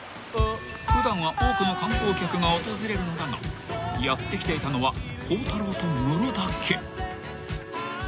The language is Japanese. ［普段は多くの観光客が訪れるのだがやって来ていたのは孝太郎とムロだけ］